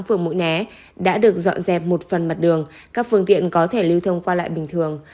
phường mũi né đã được dọn dẹp một phần mặt đường các phương tiện có thể lưu thông qua lại bình thường